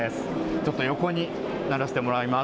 ちょっと横にならせてもらいます。